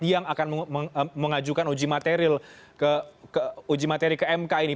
yang akan mengajukan uji materi ke mk ini